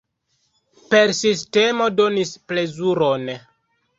Persistemo donis plezuron!